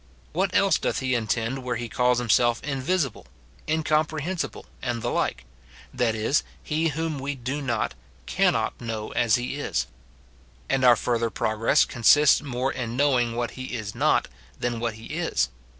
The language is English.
What else doth he intend where he calls himself invisible, incomprehensible and the like? — that is, he whom we do not, cannot, know as he is. And our fur ther progress consists more in knowing what he is not, than what he is.